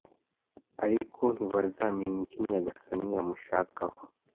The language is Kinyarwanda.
ariko ntibazamenya icyo nyagasani amushakaho